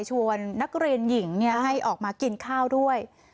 ชวนนักเรียนหญิงให้ออกมากินข้าวด้วย